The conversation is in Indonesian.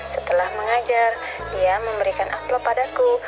setelah mengajar dia memberikan upload padaku